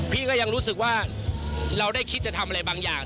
พี่ก็ยังรู้สึกว่าเราได้คิดจะทำอะไรบางอย่าง